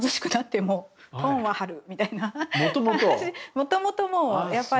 もともともうやっぱり。